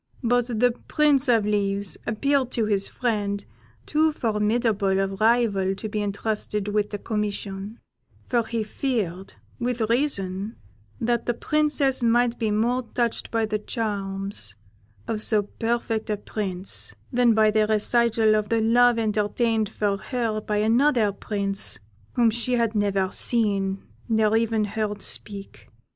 But the Prince of Leaves appeared to his friend too formidable a rival to be entrusted with the commission; for he feared, with reason, that the Princess might be more touched by the charms of so perfect a prince than by the recital of the love entertained for her by another prince whom she had never seen nor even heard speak.